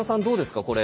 どうですか？